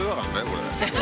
これ。